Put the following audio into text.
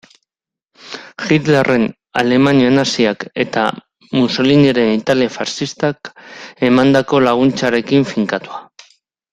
Hitlerren Alemania naziak eta Mussoliniren Italia faxistak emandako laguntzarekin finkatua.